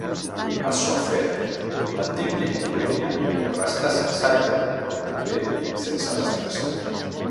Açò fet, l'antic llit del Túria restà sense aigua però també sense destinació.